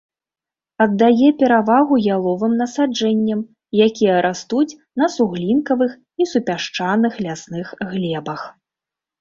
Аддае перавагу яловым насаджэнням, якія растуць на суглінкавых і супясчаных лясных глебах.